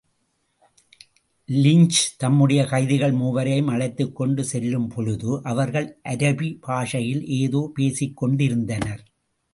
Lynch தம்முடைய கைதிகள் மூவரையும் அழைத்துக்கொண்டு செல்லும் பொழுது அவர்கள் அரபி பாஷையில் ஏதோ பேசிக்கொண்டிருந்தனர்.